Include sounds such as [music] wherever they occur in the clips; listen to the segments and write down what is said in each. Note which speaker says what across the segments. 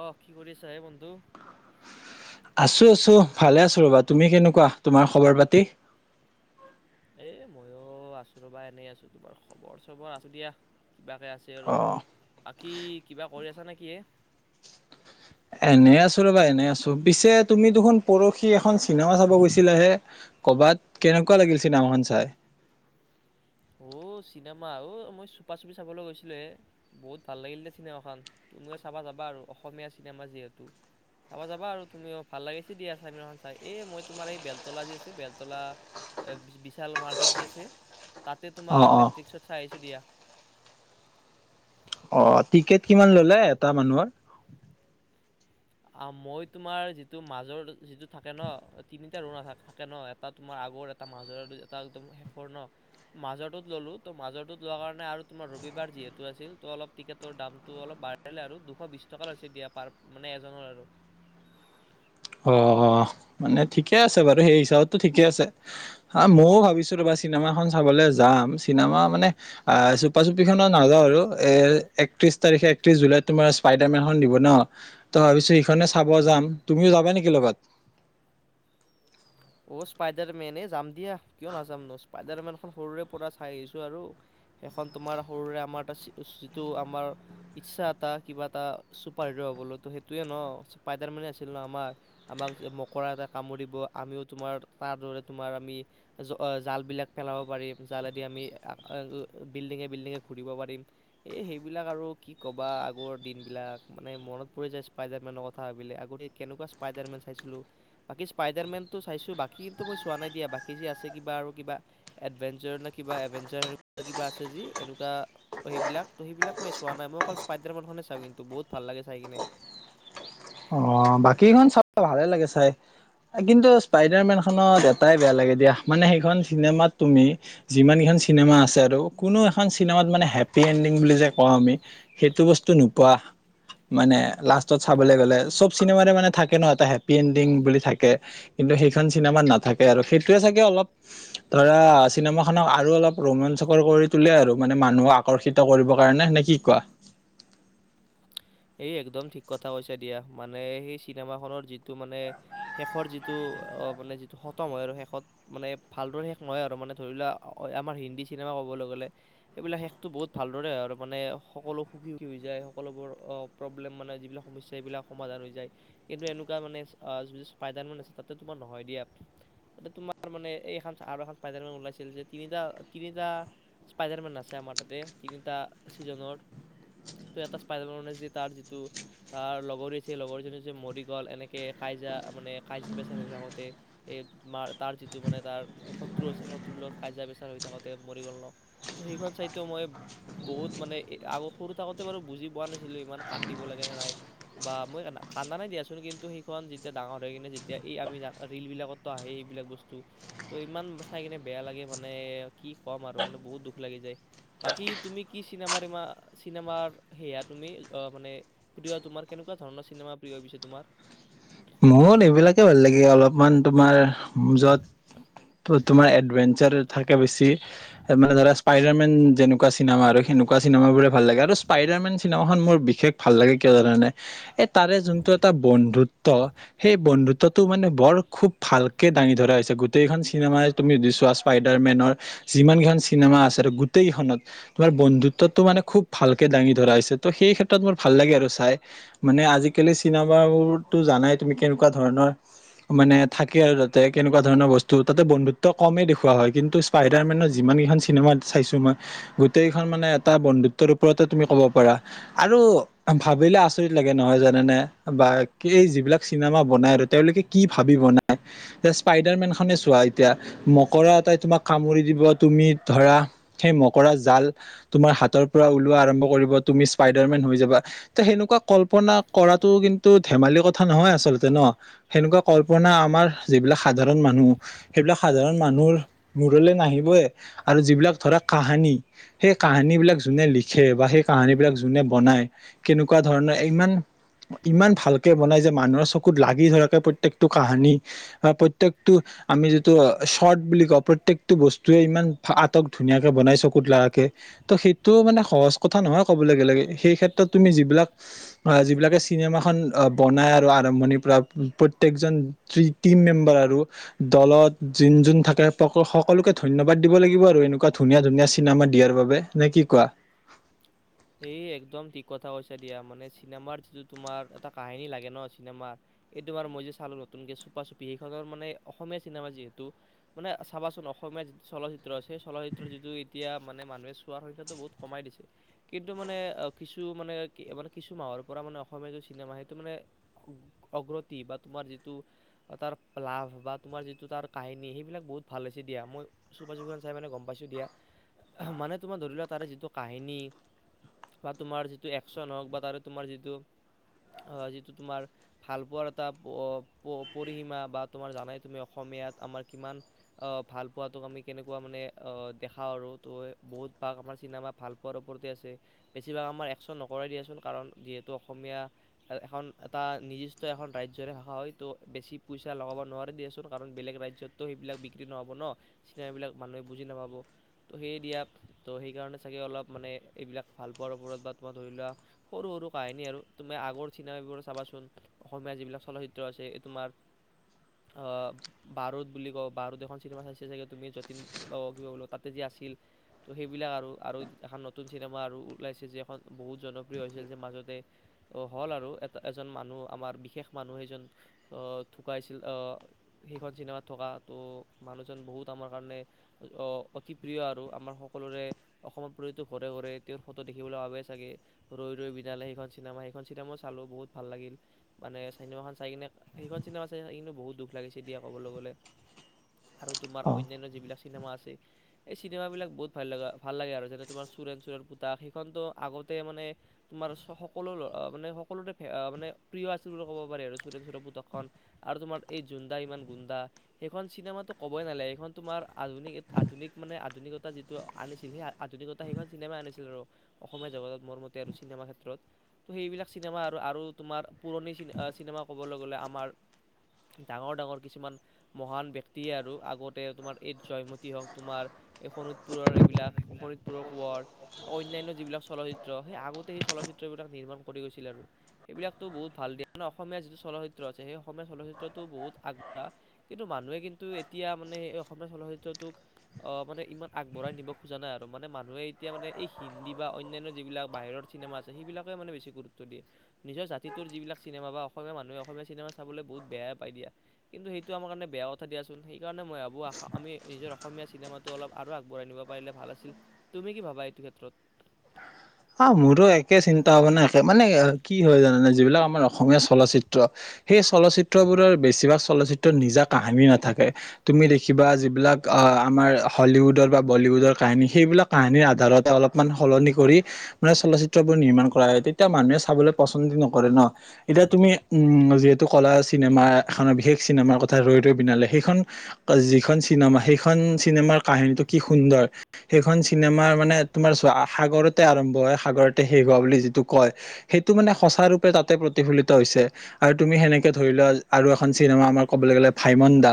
Speaker 1: অ', কি কৰি আছ হে বন্ধু?
Speaker 2: আছো আছো ভালে আছো ৰবা তুমি কেনেকুৱা তোমাৰ খবৰ পাতি?
Speaker 1: এ মইো আছো ৰবা এনেই আছো তোমাৰ খবৰ চবৰ আছো দিয়া কিবাকে আছে আৰু
Speaker 2: অ
Speaker 1: বাকী কিবা কৰি আছা নে কি এ।
Speaker 2: এনে আছো ৰবা এনে আছো পিছে তুমি দেখোন পৰহি এখন চিনেমা চাব গৈছিলা হে কৰবাত কেনেকুৱা লাগিল চিনেমাখন চাই।
Speaker 1: অ' চিনেমা অ' মই চুপা চুপি চাবলৈ গৈছিলো হ বহুত ভাল লাগিল দে চিনেমাখন তুমিও চাবা যাবা আৰু অসমীয়া চিনেমা যিহেতু চাবা যাবা আৰু তুমি ভাল লাগিছে দিয়া চিনেমাখন চাই এই মই তোমাৰ এই বেলতলা যি আছে বেলতলা বিশাল মাৰ্কেট যি আছে তাতে
Speaker 2: অ
Speaker 1: তোমাৰ
Speaker 2: অ
Speaker 1: মেট্ৰিক্ত চ আহছোঁ দিয়া।
Speaker 2: অ' টিকেট কিমান ললে এটা মানুহৰ?
Speaker 1: অ', মই তোমাৰ যিটো মাজৰ যিটো থাকে ন তিনিটা ৰৰু থাকে ন এটা তোমাৰ আগৰ এটা মৰ এটা একম শেষৰ ন মাজটোত ললো ত মাজৰত লোৱা কাৰণে আৰু তোমাৰ ৰবিবাৰ যিহেতু আছিল ত অলপ টিকেটৰ দামটো অলপ বাঢ়িলে আৰু দুশ বি টকা লৈছে দিয়া পাৰ মানে জনৰ আৰু।
Speaker 2: অ', অ', মানে ঠিকে আছে বাৰু সেই হিচাপতো ঠিকে আছে হ ময়ও ভাবিছো তোমাৰ চিনেমাখন চাবলৈ যাম চিনেমা মানে চুপা চুপি খত নাযাও আৰু এ একত্ৰিশ তাৰিখে একত্ৰিশ জুলাইত তোমাৰ স্পাইডাৰ মেনখন দিব ন ত ভাবিছো সখনে চাব যাম তুমিও য নেকি লগত?
Speaker 1: অ', স্পাইডাৰ মেন যাম দিয়া কিয় নাযাম ন স্পাইডাৰ মেনখন সৰুৰে পৰা চাই আহিছো আৰু সেইখন তোমাৰ সৰুৰে আমাৰ এটা যিটো আমাৰ ইচ্ছা এটা কিবা এটা চুপাৰ হিৰ হবলৈতো সেইটোয়ে ন স্পাইডাৰ মেনে আছিল ন আমাৰ আমাক মকৰা এটা কামুৰিব আমিও তোমাৰ তাৰ দৰে তোমাৰ আমি জালবিলাক পেলাব পাৰিম জালেদি আমি বিল্ডিঙে বিল্ডিঙে ঘূৰিব পাৰিম এই সেইবিলাক আৰু কি ক'বা আগৰ দিনবিলাক মানে মনত পৰি যায় স্পাইডাৰমেনৰ কথা ভাবিল আগ কেনেকুৱা স্পাইডাৰমেন চাইছিলো বাকী স্পাইডাৰমেন চাইছো বাকী কিন্তু মই চোৱা নাই দিয়া বাকী যি আছে কিবা আৰু কিবা এডভেঞ্চাৰ ন কিবা এভোৰা কিবা আছে যি এনেকুৱা সেইবিলাক সেইবিলাক মই চোৱা নাই মই অকল স্পাইডাৰ মখনে চাওঁ কিন্তু বহুত ভাল লাগে চাই কিনে।
Speaker 2: অ', বাকীখন চ ভালে লাগে চাই কিন্তু স্পাইডাৰ মেনখনত এটাই বেয়া লাগে দিয়া মানে সেইখন চিনেমাত তুমি যিমান কেইখন চিনেমা আছে আৰু কোনো এখন চিনেমাত মানে হেপি এণ্ডিং বুলি যে কওঁ আমি সেইটো বস্তু নোপোৱা মানে লাষ্টত চাবলৈ গ'লে চব চিনেমাৰে মানে থাকে ন এটা হেপি এণ্ডিং বুলি থাকে কিন্তু সেইখন চিনেমাত নাথাকে আৰু সেইটোয়ে চাগে অলপ ধৰা চিনেমা খক আৰু অলপ ৰোমাঞ্চকৰ কৰি তোলে আৰু মানে মানুহক আকৰ্ষিত কৰিব কাৰণে হৈনে কি কোৱা?
Speaker 1: এই একদম ঠিক কথা কৈছা দিয়া মানে সেই চিনেমাখনৰ যিটো মানে শেষৰ যিটো মানে যিটো খতম হয় আৰু শেষত মানে ভালদৰে শেষ নহয় আৰু মানে ধৰি লোৱা আমাৰ হিন্দী চিনেমা ক'বলৈ গ'লে সেইবিলাক শেষটো বহুত ভালদৰে হয় আৰু মানে সকলো সুখী সুখী হৈ যায় সকলোবোৰ। প্ৰব্লেম মানে যিবিলাক সমস্যা এইবিলাক সমাধান হৈ যায় কিন্তু এনেকুৱা মানে যি স্পাইডাৰমেন আছে তাতে তোমাৰ নহয় দিয়া তাতে তোমাৰ মানে এইখন আৰু এখন স্পাইডাৰমেন ওলাইছিল যে তিনি তিনিটা স্পাইডাৰমেন আছে আমাৰ তাতে তিনিটা ছিজনৰ ত' এটা স্পাইডাৰমেন মানে যে তাৰ যিটো তাৰ লগৰী সেই লগৰীজনী যে মৰি গ'ল এনেকৈ কাজজা মানে কাজজা পেচাৰ হৈ থাকোঁতে এই ম তাৰ যিটো মানে তাৰ শত্ৰু আছে শত্ৰুৰ লগত কাজজা পেচাৰ হৈ থাকোতে মৰি গ'ল ন তো সেইখন চাইটটো মই বহুত মানে আগৌ সৰু থাকোঁতে বাৰু বুজি পোৱা নাছিলোঁ ইমান। কান্দিব লাগেনে নাই বা, মই কান্দা নাই দিয়াচোন, কিন্তু সেইখন যেতিয়া ডাঙৰ হৈ কিনে যেতিয়া এই আমি জ, ৰিলবিলাকতো আহে এইবিলাক বস্তু, তো ইমান চাই কিনে বেয়া লাগে মানে কি ক'ম আৰু মানে বহুত দুখ লাগি যায়, বাকী তুমি কি চিনেমাৰ ইা, চিনেমাৰ সেয়া তুমি আহ মানে প্ৰিয় তোমাৰ, কেনেকুৱা ধৰণৰ চিনেমা প্ৰিয় হৈ পছে তোমাৰ?
Speaker 2: মত এইবিলাকে ভাল লাগে অলপমান তোমাৰ যত ত' তোমাৰ এডভেঞ্চাৰ থাকে বেছিানে, মানে ধৰা স্পাইৰাৰ মেন যেনেকা চিনেমা, আৰু সনেকুৱা চিনেমাবোৰে ভাল লাগে, আৰু স্পাইডাৰেন চিনেমাখন মোৰ বিশেষ ভাল লাগে, কিয় যানা‌ ণে, এ তাৰে যোনটো এটা বন্ধুত্ব ত, সেই বন্ধুত্বটো মানে বৰ খুব ভালকে দাঙি ধৰা হৈছে, গোটেইখন চিনেমাই তুমি সুধিছোৱা স্পাইডাৰ মেনৰ যিমান কেইখন চিনেমা আছে আৰু গোটেইখনত, তোমাৰ বন্ধুত্বটো মানে খুব ভালকে দাঙি ধৰা হৈছে, ত' সেই ক্ষেত্ৰত মোৰ ভাল লাগে আৰু চাই, মানে আজিকালি চিনেমাবোৰ জানাই তুমি কেনেকুৱা ধৰণৰ মানে থাকে আৰু তাতে, কেনেকুৱা ধৰণৰ বস্তু, তাতে বন্ধুত্ব কমেই দেখওৱা হয়, কিন্তু স্পাইডাৰ মানত যিমান কেইখন চিনেমা চাইছো মই, গোটেই কখন মানে এটা বন্ধুত্বৰ ওপৰতে এ' তুমি কব পাৰা আৰু ভাবিলে আচৰিত লাগে নহয় জানে নে, বা কি এই যিবিলাক চিনেমা বনাই আৰু তেওঁলোকে কি ভাবি বনাই, যে স্পাইডাৰ মেন খনে চোৱা এতিয়া মকৰা এটাই তোমাক কামুৰি দিব তুমি ধৰা সেই মকৰা জাল, তোমাৰ হাতৰ পৰা ওলোৱা আৰম্ভ কৰিব, তুমি স্পাইডাৰমেন হৈ যাবা, তে সেনেকুৱা কল্পনা কৰাটো কিন্তু ধেমালি কথা নহয় আচলতে ন, সেনেকুৱা কল্পনা আমাৰ যিবিলাক সাধাৰণ মানুহ, সেইবিলাক সাধাৰণ মানুহৰ মূৰলৈ নাহিবই, আৰু যিবিলাক ধৰা কাহানি সেই কাহানী বিলাক যোনে লিখে, বা সেই কাহানী বিলাক যোনে বনায়, কেনেকুৱা ধৰণৰ ইমান, ইমান ভাল বনাই যে মানুহৰ চকুত লাগি ধৰাকে প্ৰত্যেকটো কাহানি বা প্ৰতয়েকটো আমি যিটো শৰ্ট বুলি কওঁ প্ৰত্য়েকটো বস্তুৱয়ে ইমান আটক ধুনীয়াকে বনাই চকুত লাকে, ত সেইটো মানে সহজ কথা নহয় ক'ব লে গ'লে, সেই ক্ষেত্ৰত তুমি যিবিলাক যিবিলাকে চিনেমাখন আহ বনাই আৰু আৰম্ভণিৰ পৰা প্ৰত্য়েকজন টিম মেম্বাৰ আৰু দলত যোন যোন থাকে সকলোকে ধন্যবাদ দিব লাগিব আৰু এনেকুৱা ধুনীয়া ধুনীয়া চিনেমা দিয়াৰ বাবে। নে কি কোৱা?
Speaker 1: এই একদম ঠিক কথা কৈছা দিয়া, মানে চিনেমাৰ যিটো তোমাৰ এটা কাহিনী লাগে ন, চিনেমাৰ এইটোমাৰ মই যে চালো নতুনকে, চুপা চুপি, সেইখনৰ মানে অসমীয়া চিনেমা যিহেতু, মানে চাবাচোন অসমীয়া যিটো চলচিত্ৰ আছেেই চলচিত্ৰ যিটো এতিয়া মানে মানুহে চোৱাৰ সংখ্যাটো বহুত কমাই দিছে। কিন্তু মানে কিছু মানে, মানে কিছু মাহৰ পৰা মানে অসমীয়া যটো চিনেমা, সেইটো মানে অগ্ৰতি, বা তোমাৰ যিটো, তাৰ লাভ বা তোমাৰ যিটো তাৰ কাহিনী, সেইবিলাক বহুত ভাল হৈছে দিয়া, মই চুপা চুান চাই মানে গম পাইছোঁ দিয়া, মানে তোমাৰ ধৰি লোৱা তাৰে যিটো কাহিনী বা তোমাৰ যিটো একচন হওঁক বা তাৰে তোমাৰ যিটো আহ যিটো তোমাৰ ভাল পোৱাৰ এটা পৰিসীমা বা তোমাৰ জানাই তুমি অসমীয়াত আমাৰ কিমান আহ, ভাল পোৱাাতোক আমি, কেনেকুৱা মানে আহ দেখাও আৰু ত, বহুত ভাগ আমাৰ চিনেমা ভাল পোৱাৰ ও আছে, ‌ বেছিভাগ আমাৰ একচন নকৰাই দিয়াচোন, কাৰণ যিহেতু অসমীয়া এখন এটা নিৰ্দিষ্ট এখন ৰাজ্যৰে ভাষা হয়। তো বেছি পইচা লগাব নোৱাৰে দিয়াচোন, কাৰণ বেলেগ ৰাজ্যততো সেইবিলাক বিক্ৰী নহ'ব ন, চিনেমবিলাক মানুহে বুজি নাপাব ত', সেয়ে দিয়া, তো সেইকাৰণে চাগে অলপ মানে এইবিলাক ভাল পোৱাৰ ওপৰত বা তোমাৰ ধৰি লোৱা সৰু সৰু কাহিনী আৰু, তুমি আগৰ চিনেম এইবোৰ চাবাচোন, অসমীয়া যিবিলাক চলচিত্ৰ আছে, এই তোমাৰ বাৰদ বুলি কওঁ, বাৰুত এখন চিনেমা চাইছে চাগে তুমি, যতীন বাব কিবা ক'ল তাতে যি আছিল ত', সেইবিলাক আৰু, আৰু এখন নতুন চিনেমা আৰু ওলাইছে যে এখন বহুত জনপ্ৰিয় হৈছিল যে মাজতে, হ'ল আৰু, এ' এজন মানুহ আমাৰ বিশেষ মানুহ সেইজন ঢুকাইছিল, সেইখন চিনেমাত থকা ত' মানুহজন বহুত আমাৰ কাৰণে অতি প্ৰিয়, আৰু আমাৰ সকলোৰে অসমত পুৰটো ঘৰে ঘৰে তেওঁৰ ফটো দেখিবলৈ ভাৱেই চাগে, ৰৈ ৰৈ বিনালে, সেইখন চিনেমা, সেইখন চিনেমাও চালোঁ, বহুত ভাল লাগিল, মানে চিনেমাখন চাই কিনে, সেইখন চিনেমা চাই, চাই কিনেও বহুত দুখ লাগে, চিডিয়া ক'বলৈ গ'লে আৰু তোমাৰ
Speaker 2: অ
Speaker 1: অন্যান্য যিবিলাক চিনেমা আছে, এই চিনেমাবিলাক বহুত ভাল লগা, ভাল লাগে আৰু যেনে তোমাৰ চোৰেণ চো়ৰ পোতাক সেইখনতো আগতে মানে, তোমাৰ সকলো, মানে সকলোতে মানে প্ৰিয় আছিল বুলি ক'ব পাৰি আৰু, চুৰেণ চোড়ৰ পোতাকখন, আৰু তোমাৰ এই জোনডা ইমান গুণ্ডা, সেইখন চিনেমাতটো ক'বই নালাগে, সেইখন তোমাৰ আধুনিক, আধুনিক মানে আধুনিকতা যিটো আনিছিল, সেই আধুনিকতা এ সেইখন চিনেমা আনিছিল আৰু অসমীয়া জগতত মোৰ মতে আৰু চিনেমা ক্ষেত্ৰত, ত' সেইবিলাক চিনেমা আৰু আৰু তোমাৰ পুৰণি চিনেমা ক'বলৈ গ'লে আমাৰ, ডাঙৰ ডাঙৰ কিছুমান মহান ব্য্ক্তিয়ে আৰু আগতে তোমাৰ এই জয়মতী হওক, তোমাৰ এই শোণোিতপুৰৰ এইবিলাক শৰিত [unintelligible] কৱ, অন্যান্য যিবিলাক চলচ্চিত্ৰ, সেই আগতে সেই চলচিত্ৰ বিলাক নিৰ্মাণ কৰি গৈছিল আৰু, সেইবিলাকতটো বহুত ভাল [unintelligible] দিয়ে মানে অসমীয়া যিটো চলচ্চিত্ৰ আছে সেই অসমীয়া চলচিত্ৰটো বহুত আগবঢ়া, কিন্তু মানুহে, কিন্তু এতিয়া মানে স অসমীয়া চলচিত্ৰটোক অ মানে ইমান আগবঢ়াই নিব খোজা নাই আৰু মানে মানুহে এতিয়া মানে এই হিন্দী বা অন্যান্য যিবিলাক বাহিৰৰ চিনেমা আছে সেইবিলাকে মানে বেছি গুৰুত্ব দিয়ে, নিজৰ জাতিটোৰ যিবিলাক চিনেমা বা অসমীয়া মানুহে অসমীয়া চিনেমা চাবলৈ বহুত বেয়াই পাই দিয়া, কিন্তু সেইটো আমাৰ কাৰণে বেয়া কথা দিয়াচোন সেই কাৰণে মই আাবো, আশা, আমি নিজৰ অসমীয়া চিনেমাটো অলপ আৰু আগবঢ়াই নিব পাৰিলে ভাল আছিল। তুমি কি ভাবা, এইটো ক্ষেত্ৰত?
Speaker 2: অ মোৰো একে চিন্তা ভাৱনা একে, মানে কি হয় জানানে, যিবিলাক আমাৰ অসমীয়া চলচিত্ৰ, সেই চলচিত্ৰবোৰৰ বেছিভাগ চলচিত্ৰত নিজা কাহিনী নাথাকে, তুমি দেখিবা যিবিলাক আমাৰ হলিউডৰ বা বলিউডৰ কাহিনী সেইবিলাক কাহিনীৰ আধাৰতে অলপমান সলনি কৰি মানে চলচিত্ৰবোৰ নিৰ্মাণ কৰা হয়, তেতিয়া মানুহে চাবলৈ পচন্দ নকৰে ন, এতিয়া তুমি উম, যিহেতু কলা চিনেমা এ বিশেষ চিনেমাৰ কথা ৰৈ ৰৈ বিনালে, সেইখন যিখন চিনেমা সেইখন চিনেমাৰ কাহিনীটো কি সুন্দৰ, সেইখন চিনেমা মানে তোমাৰ সাগৰত আৰম্ভ হয়, সাগৰতে শেষ হোৱা বুলি যিটো কয়, সেইটো মানে সঁচা ৰূপে তাতে প্ৰতিফলিত হৈছে আৰু তুমি সেনেকে ধৰি লোৱা আৰু এখন চিনেমা আমাৰ ক'বলৈ গ'লে ভাইমন্দা,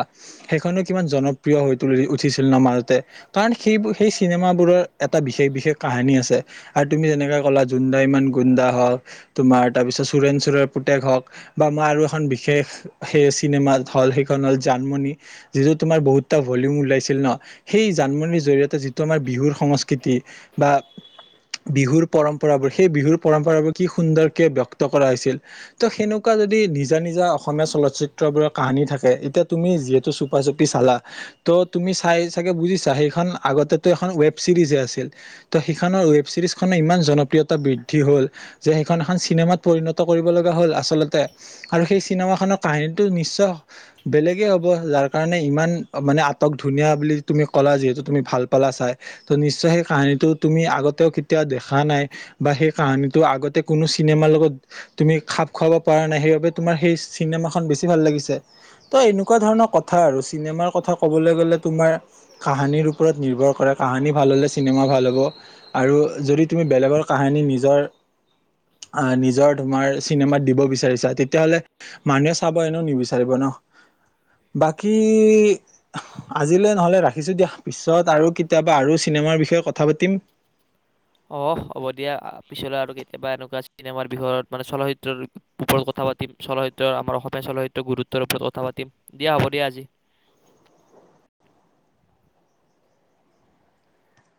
Speaker 2: সেইখনো কিমান জনপ্ৰিয় হৈ ত উঠিছিল ন মাজতে, কাৰণ সেই সেই চিনেমাবোৰৰ এটা বিশেষ বিশেষ কাহিনী আছে আৰু তুমি যেনেকে কলা জুোনডা ইমান গুণ্ডা হওক, তোমাৰ তাৰপিছত চোৰেন চোৰেৰ পুতেক হওক বা মই আৰু এখন বিশেষ সেই চিনেমাত হল, সেইখন হল জানমণি, যিটো তোমাৰ বহুতটা ভলিউম ওলাইছিল ন, সেই জানমনিৰ জৰিয়তে যিটো আমাৰ বিহুৰ সংস্কৃতি বা বিহুৰ পৰম্পৰাবোৰ সেই বিহুৰ পৰম্পৰাবোৰ কি সুন্দৰকে ব্যক্ত কৰা হৈছিল, ত' সেনেকুৱা যদি নিজা নিজা অসমীয়া চলচিত্ৰবোৰৰ কাহিনী থাকে, এতিয়া তুমি যিহেতু চুপা চুপি চালা, ত' তুমি চাই চাগে বুজিছা সেইখন আগতেো এখন ৱেব ছিৰিজে আছিল, ত সেইখ ৱব চিৰিজখনৰ ইমান জনপ্ৰিয়তা বৃদ্ধি হ'ল, যে সেইখন এখন চিনেমাত পৰিণত কৰিব লগা হ'ল আচলতে, আৰু সেই চিনেমাখনৰ কাহিনীটো নিশ্চয় বেলেগেই হ'ব, যাৰ কাৰণে ইমান মানে আটক ধুনীয়া বুলি তুমি ক'লা যিহেতু, তুমি ভাল পালা চাই, ত' নিশ্চয় সেই কাহিনীটো তুমি আগত কেতিয়াও দেখা নাই বা সেই কাহানীটো আগতে কোনো চিনেমাৰ লগত তুমি খাপ খুৱাব পৰা নাই সেইবাবে তোমাৰ সেই চিনেমা বেছি ভাল লাগিছে ত এনেকুৱা ধৰণৰ কথা আৰু, চিনেমাৰ কথা কবলৈ গলে তোমাৰ, কাহানিৰ ওপৰত নিৰ্ভৰ কৰে কাহানী ভাল হলে চিনেমা ভাল হ'ব [unintelligible] যদি তোমি বেলেকৰ কাহানী নিয়ৰ, অ' নিযৰ নিযৰ তোমাৰ চিনেমাত দিব বিচাৰিছা তে তেহলে মানুহে চাব এনেও নিবিচাৰিব নহ, বাকী আজিলৈ নহলে ৰাখিছো দিয়া পিছত আৰু কেতিয়াবা আৰু চিনেমাৰ বিষয়ে কথা পাতিম।
Speaker 1: অহ হ'ব দিয়া পিছলৈ আৰু কেতিয়াবা এনেকুৱা চিনেমাৰ বিষয়ত মানে চলচ্চিত্ৰৰ ওপৰত কথা পাতিম, চলচ্চিত্ৰ আমাৰ সদায় চলচ্চিত্ৰৰ গুৰুত্বৰ ওপৰত কথা পাতিম, দিয়া হ'ব দিয়া আজি।